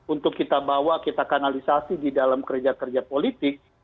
untuk kita bawa kita kanalisasi di dalam kerja kerja politik